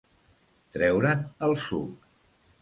Treure'n el suc.